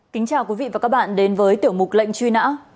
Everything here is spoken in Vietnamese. kính chào quý vị và các bạn đến với tiểu mục lệnh truy nã